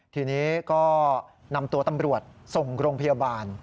ทีนี้ก็นำตัวตำรวจส่งโรงพยาบาล